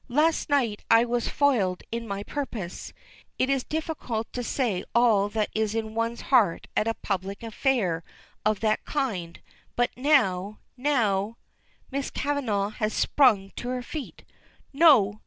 Last night I was foiled in my purpose. It is difficult to say all that is in one's heart at a public affair of that kind, but now now " Miss Kavanagh has sprung to her feet. "No!